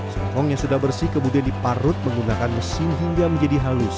singkong yang sudah bersih kemudian diparut menggunakan mesin hingga menjadi halus